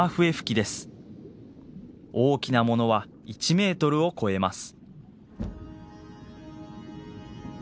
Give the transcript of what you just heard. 大きなものは１ｍを超えます。